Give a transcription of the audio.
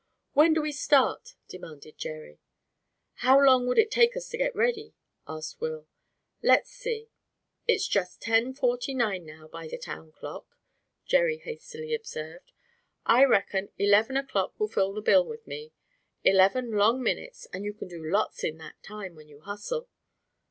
"When do we start?" demanded Jerry. "How long would it take us to get ready?" asked Will. "Let's see, it's just ten forty nine now by the town clock," Jerry hastily observed; "I reckon eleven o'clock would fill the bill with me. Eleven long minutes, and you can do lots in that time, when you hustle."